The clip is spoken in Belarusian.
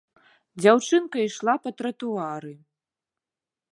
Дзяўчынка ішла па тратуары.